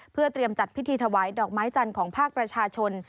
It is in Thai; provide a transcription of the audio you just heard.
เพื่อเตรียมจัดพิธีถวายดอกไม้จันทร์ของภาคประชาชน